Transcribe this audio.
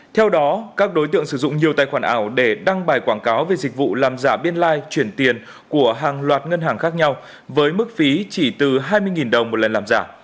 theo đó các đối tượng sử dụng nhiều tài khoản ảo để đăng bài quảng cáo về dịch vụ làm giả biên lai chuyển tiền của hàng loạt ngân hàng khác nhau với mức phí chỉ từ hai mươi đồng một lần làm giả